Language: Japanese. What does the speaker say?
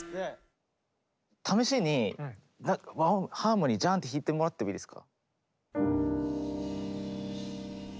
試しに和音ハーモニージャンって弾いてもらってもいいですか。